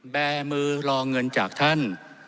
แบร์มือรอเงินจากท่าน